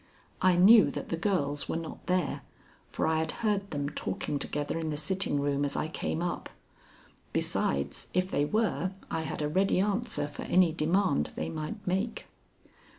I knew that the girls were not there, for I had heard them talking together in the sitting room as I came up. Besides, if they were, I had a ready answer for any demand they might make.